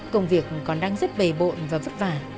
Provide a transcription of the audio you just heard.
công việc còn đang rất bầy bộn và vất vả